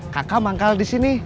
kakak manggal disini